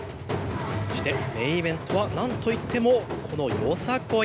そしてメインイベントはなんといってもこのよさこい。